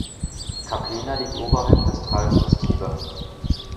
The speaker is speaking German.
Capena liegt oberhalb des Tals des Tiber.